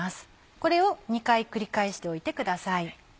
これを２回繰り返しておいてください。